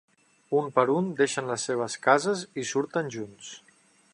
Un per un deixen les seves cases i surten junts.